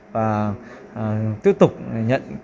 và tiếp tục nhận